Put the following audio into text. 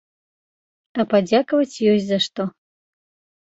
А падзякаваць ёсць за што.